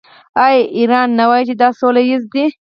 آیا ایران نه وايي چې دا سوله ییز دی؟